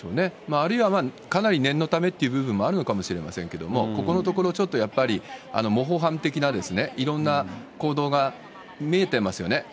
あるいは、かなり念のためっていう部分もあるのかもしれませんけども、ここのところ、ちょっとやっぱり模倣犯的な、いろんな行動が見えてますよね。